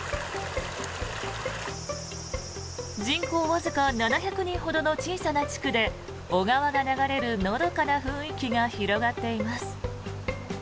人口わずか７００人ほどの小さな地区で小川が流れるのどかな雰囲気が広がっています。